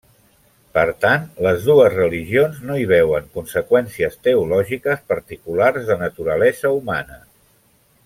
Per tant les dues religions no hi veuen conseqüències teològiques particulars de naturalesa humana.